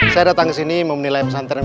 saya datang ke sini memenilai pesantren